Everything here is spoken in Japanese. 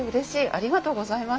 ありがとうございます。